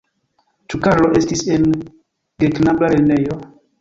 Ĉu Karlo estis en geknaba lernejo?